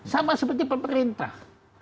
sama seperti pemerintah